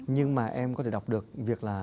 nhưng mà em có thể đọc được việc là